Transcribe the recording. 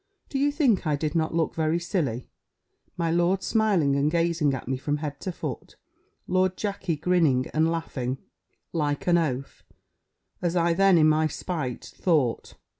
Do you think I did not look very silly? My lord, smiling, and gazing at me from head to foot; Lord Jackey grinning and laughing, like an oaf, as I then, in my spite, thought.